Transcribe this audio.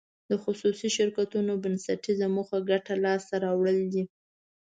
د خصوصي شرکتونو بنسټیزه موخه ګټه لاس ته راوړل دي.